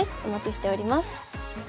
お待ちしております。